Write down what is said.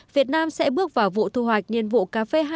việt nam sẽ bước vào vụ thu hoạch